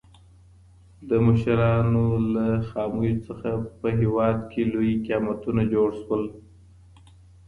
د مشرانو له خامیو څخه په هېواد کي لوی قیامتونه جوړ سول.